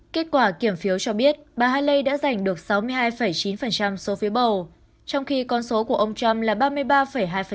kết quả kiểm phiếu cho biết bà haley đã giành được sáu mươi hai chín số phiếu bầu trong khi con số của ông trump là ba mươi ba hai